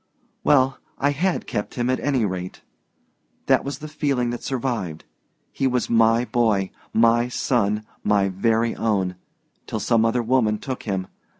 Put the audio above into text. "Well I had kept him, at any rate. That was the feeling that survived. He was my boy, my son, my very own till some other woman took him.